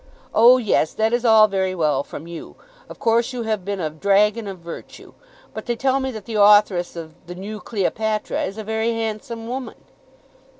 "Oh yes; that is all very well from you. Of course you have been a dragon of virtue; but they tell me that the authoress of the 'New Cleopatra' is a very handsome woman."